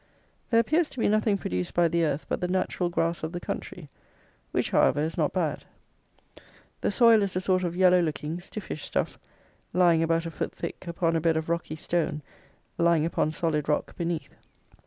There appears to be nothing produced by the earth but the natural grass of the country, which, however, is not bad. The soil is a sort of yellow looking, stiffish stuff, lying about a foot thick, upon a bed of rocky stone, lying upon solid rock beneath.